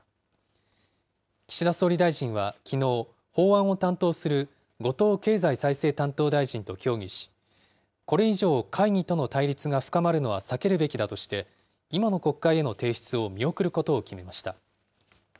岸田総理大臣はきのう、法案を担当する後藤経済再生担当大臣と協議し、これ以上、会議との対立が深まるのは避けるべきだとして、今の国会への提出を見送ることを決めました。